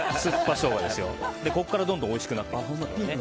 ここからどんどんおいしくなっていきます。